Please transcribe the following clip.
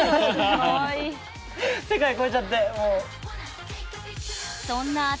世界超えちゃってもう。